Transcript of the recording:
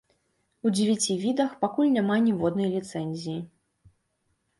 У дзевяці відах пакуль няма ніводнай ліцэнзіі.